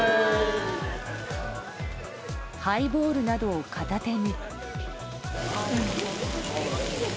ハイボールなどを片手に。